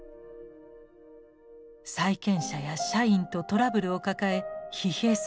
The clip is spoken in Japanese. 債権者や社員とトラブルを抱え疲弊する夫。